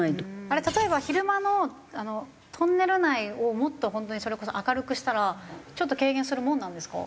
あれ例えば昼間のトンネル内をもっと本当にそれこそ明るくしたらちょっと軽減するものなんですか？